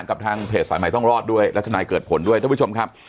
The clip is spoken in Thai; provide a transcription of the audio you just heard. กับทางเพจสายใหม่ต้องรอดด้วยและทนายเกิดผลด้วยท่านผู้ชมครับ